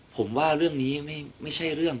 ผมว่าเรื่องนี้ไม่ใช่เรื่อง